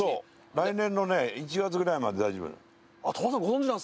来年のね１月ぐらいまで大丈夫なの。